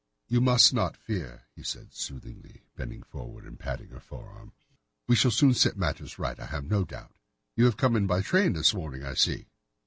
"You must not fear," said he soothingly, bending forward and patting her forearm. "We shall soon set matters right, I have no doubt. You have come in by train this morning, I see."